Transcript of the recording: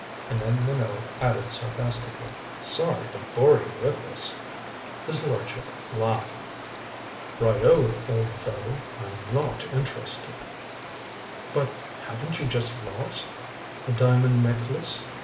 And then Minot added sarcastically: "Sorry to bore you with this." His lordship laughed. "Right o, old fellow. I'm not interested." "But haven't you just lost " "A diamond necklace?